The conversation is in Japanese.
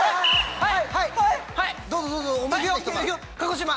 はい！